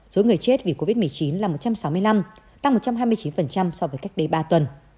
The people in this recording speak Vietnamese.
số người chết vì covid một mươi chín là một trăm sáu mươi năm tăng một trăm hai mươi chín so với cách đây ba tuần